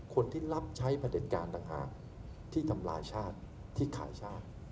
คนที่รับใช้ประเด็จการต่างหากที่ทำลายชาติที่ขายชาติ